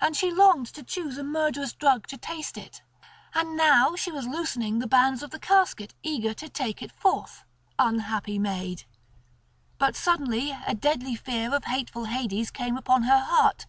And she longed to choose a murderous drug to taste it, and now she was loosening the bands of the casket eager to take it forth, unhappy maid! But suddenly a deadly fear of hateful Hades came upon her heart.